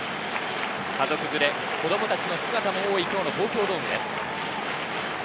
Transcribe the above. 家族連れ、子供達の姿も多い今日の東京ドームです。